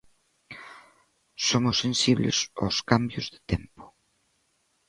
Somos sensibles aos cambios de tempo.